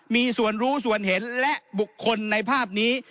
มีส่วนรู้ส่วนเห็นและบุคคลในภาพนี้